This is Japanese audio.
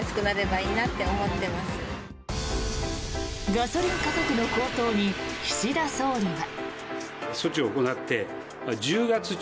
ガソリン価格の高騰に岸田総理は。